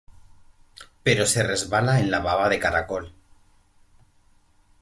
Pero se resbala en la baba de caracol.